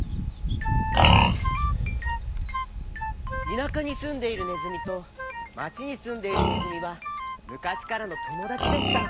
田舎にすんでいるねずみと町にすんでいるねずみはむかしからのともだちでした。